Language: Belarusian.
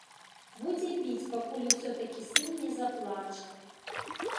Будзе біць, пакуль усё-такі сын не заплача.